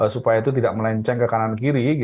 supaya itu tidak melenceng ke kanan kiri